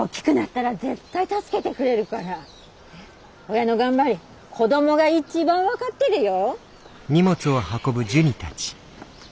親の頑張り子どもが一番分かってるよ。